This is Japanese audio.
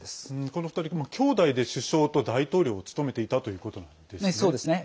この２人、兄弟で首相と大統領を務めていたということなんですね。